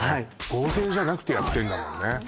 合成じゃなくてやってんだもんね